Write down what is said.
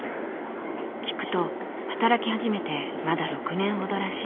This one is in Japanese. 聞くと働き始めてまだ６年ほどらしい。